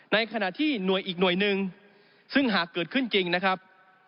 ในขณะที่หน่วยอีกหน่วยหนึ่งซึ่งหากเกิดขึ้นจริงนะครับ